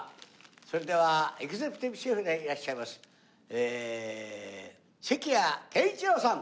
それではエグゼクティブシェフでいらっしゃいます関谷健一朗さん